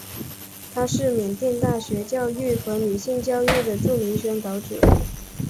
他是缅甸大学教育和女性教育的著名宣导者。